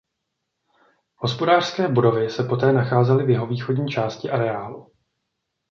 Hospodářské budovy se poté nacházely v jihovýchodní části areálu.